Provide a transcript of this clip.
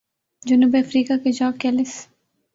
جنوب افریقہ کے ژاک کیلس